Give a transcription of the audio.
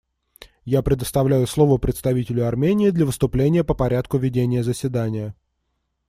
Я предоставляю слово представителю Армении для выступления по порядку ведения заседания.